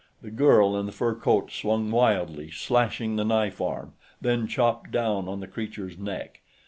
The girl in the fur coat swung wildly, slashing the knife arm, then chopped down on the creature's neck.